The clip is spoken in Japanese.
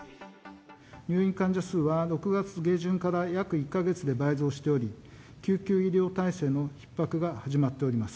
入院患者数は６月下旬から約１か月で倍増しており、救急医療体制のひっ迫が始まっております。